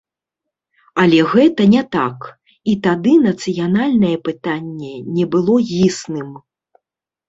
Але гэта не так, і тады нацыянальнае пытанне не было існым.